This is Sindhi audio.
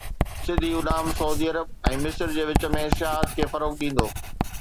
سڌي اڏام سعودي عرب ۽ مصر جي وچ ۾ سياحت کي فروغ ڏيندو